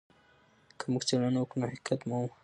که موږ څېړنه وکړو نو حقيقت مومو.